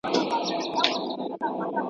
چي یې له وینو سره غاټول را ټوکېدلي نه وي.